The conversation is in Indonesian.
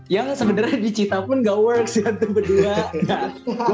yang sebenernya di cita pun gak works ya dua dua